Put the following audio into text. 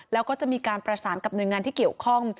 แล้วก็จะมีการประสานกับหน่วยงานที่เกี่ยวข้อง